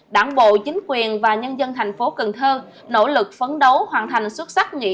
đảng bộ chính quyền và nhân dân thành phố cần thơ nỗ lực phấn đấu hoàn thành xuất sắc nghị